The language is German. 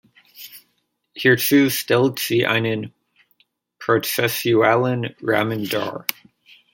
Hierzu stellt sie einen prozessualen Rahmen dar.